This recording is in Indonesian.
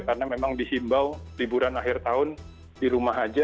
karena memang dihimbau liburan akhir tahun di rumah aja